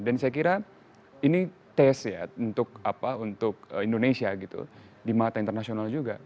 dan saya kira ini tes ya untuk indonesia gitu di mata internasional juga